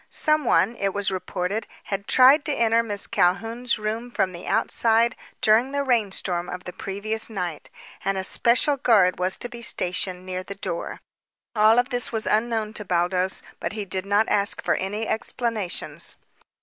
Someone, it was reported, had tried to enter Miss Calhoun's room from the outside during the rainstorm of the previous night, and a special guard was to be stationed near the door. All of this was unknown to Baldos, but he did not ask for any explanations.